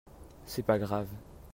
C'est pas grave.